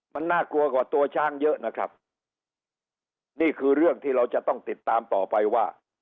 มันน่ากลัวกว่าตัวช้างเยอะนะครับนี่คือเรื่องที่เราจะต้องติดตามต่อไปว่า